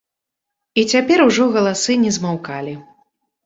І цяпер ужо галасы не змаўкалі.